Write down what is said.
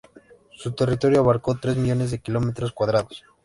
Su territorio abarcó tres millones de kilómetros cuadrados.